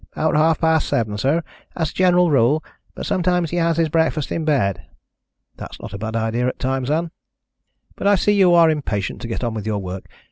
"About half past seven, sir, as a general rule, but sometimes he has his breakfast in bed." "That's not a bad idea at times, Ann. But I see you are impatient to get on with your work.